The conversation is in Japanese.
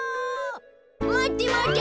まってまって。